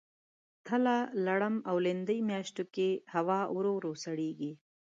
تله ، لړم او لیندۍ میاشتو کې هوا ورو ورو سړیږي.